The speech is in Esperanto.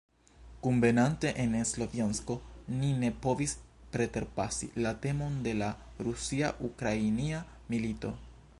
Kunvenante en Slovjansko ni ne povis preterpasi la temon de la rusia-ukrainia milito.